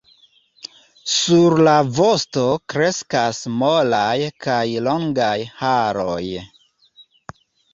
Sur la vosto kreskas molaj kaj longaj haroj.